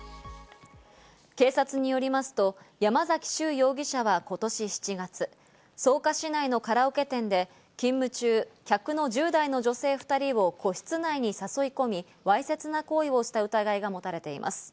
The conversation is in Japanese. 警察によりますと、山崎秀容疑者は今年７月、草加市内のカラオケ店で勤務中、客の１０代の女性２人を個室内に誘い込み、わいせつな行為をした疑いがもたれています。